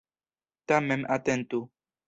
Tamen atentu!